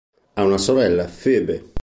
Ha una sorella, Phoebe.